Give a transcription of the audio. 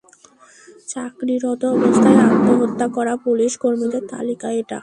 চাকরিরত অবস্থায় আত্মহত্যা করা পুলিশ কর্মীদের তালিকা এটা।